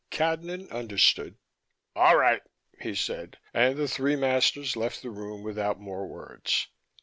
Cadnan understood. "All right," he said, and the three masters left the room without more words.